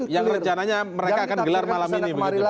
yang rencananya mereka akan gelar malam ini